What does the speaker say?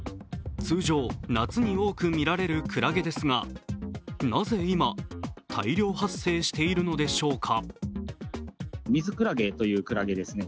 通常、夏に多く見られるくらげですが、なぜ今、大量発生しているのでしょうか。